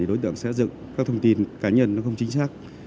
đối tượng sẽ dựng các thông tin cá nhân không chính xác